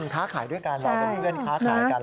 ค้าขายด้วยกันเราก็มีเพื่อนค้าขายกัน